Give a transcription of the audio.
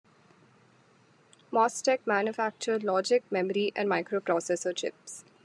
Mostek manufactured logic, memory, and microprocessor chips.